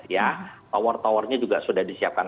ya tower towernya juga sudah disiapkan